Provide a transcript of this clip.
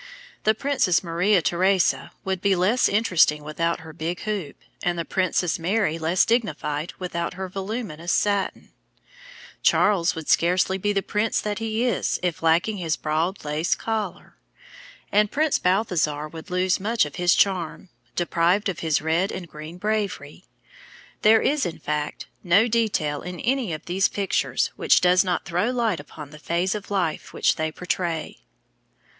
The Princess Maria Theresa would be less interesting without her big hoop, and the Princess Mary less dignified without her voluminous satin; Charles would scarcely be the prince that he is, if lacking his broad lace collar, and Prince Balthasar would lose much of his charm, deprived of his red and green bravery. There is, in fact, no detail in any of these pictures which does not throw light upon the phase of life which they portray.